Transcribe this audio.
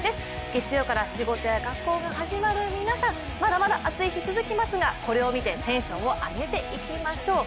月曜から仕事や学校が始まる皆さん、まだまだ暑い日続きますがこれを見てテンションを上げていきましょう。